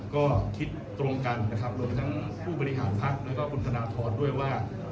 ก็คิดตรงกันนะครับรวมทั้งผู้บริหารพักแล้วก็คุณธนทรด้วยว่า